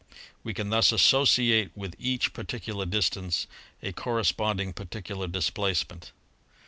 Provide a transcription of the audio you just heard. We can thus associate with each particular distance a "corresponding particular displacement.